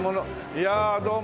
いやあどうも。